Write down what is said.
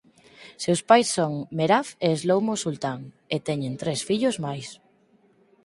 Seus pais son Merav e Shlomo Sultan e teñen tres fillos máis.